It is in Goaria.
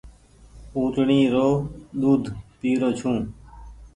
اُٽڙي رو ۮود پيرو ڇو۔